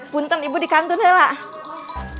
punten ibu di kantunnya lah